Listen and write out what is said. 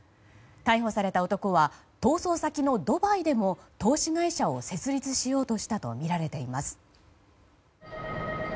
逮捕された男は逃走先のドバイでも投資会社を設立しようとしたとみられています。